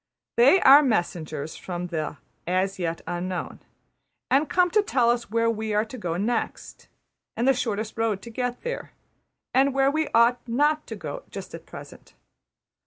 They are messengers from the As Yet Unknown; and come to tell us where we are to go next; and the shortest road to get there; and where we ought not to go just at present.